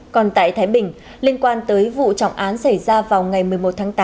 còn tại thái bình liên quan tới vụ trọng án xảy ra vào ngày một mươi một tháng tám